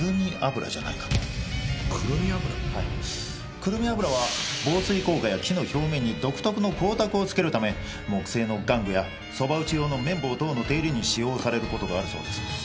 くるみ油は防水効果や木の表面に独特の光沢をつけるため木製の玩具やそば打ち用の麺棒等の手入れに使用される事があるそうです。